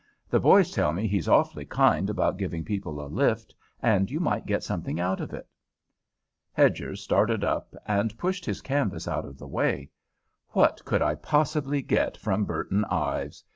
The boys tell me he's awfully kind about giving people a lift, and you might get something out of it." Hedger started up and pushed his canvas out of the way. "What could I possibly get from Burton Ives?